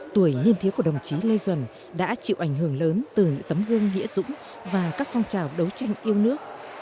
tuổi niên thiếu của đồng chí lê duẩn đã chịu ảnh hưởng lớn từ những tấm gương nghĩa dũng và các phong trào đấu tranh yêu nước